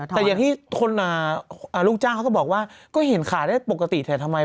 แต่อย่างที่ลูกจ้างเขาก็บอกว่าก็เห็นขาได้ปกติแต่ทำไม